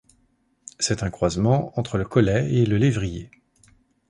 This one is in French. C'est un croisement entre le Colley et le Lévrier.